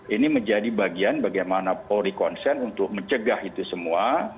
ini menjadi bagian bagaimana polri konsen untuk mencegah itu semua